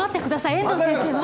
遠藤先生は。